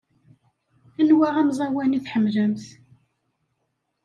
Anwa amẓawan i tḥemmlemt?